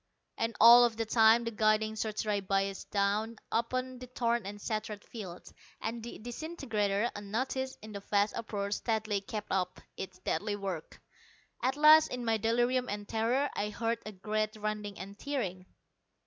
And all the time the guiding search rays biased down upon the torn and shattered fields, and the disintegrator, unnoticed in the vast uproar, steadily kept up its deadly work. At last, in my delirium and terror, I heard a great rending and tearing.